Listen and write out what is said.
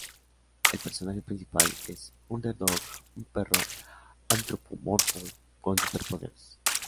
El personaje principal es Underdog, un perro antropomorfo con superpoderes.